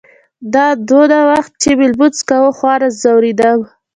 دا دونه وخت چې مې لمونځ کاوه خورا ځورېدم.